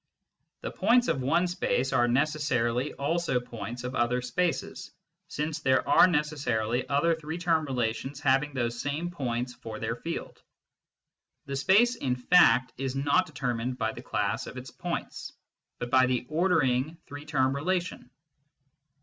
The points of one space are necessarily also points of other spaces, since there are necessarily other three term relations having those same points for their field. The space in fact is not determined by the class of its points, but by the ordering three term rela tion.